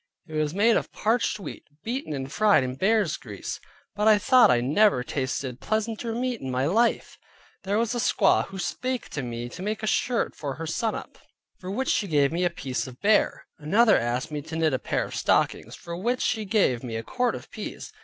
It was made of parched wheat, beaten, and fried in bear's grease, but I thought I never tasted pleasanter meat in my life. There was a squaw who spake to me to make a shirt for her sannup, for which she gave me a piece of bear. Another asked me to knit a pair of stockings, for which she gave me a quart of peas.